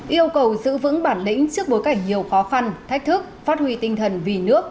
yêu cầu giữ vững bản lĩnh trước bối cảnh nhiều khó khăn thách thức phát huy tinh thần vì nước